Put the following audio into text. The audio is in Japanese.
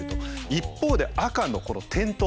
一方で赤の転倒。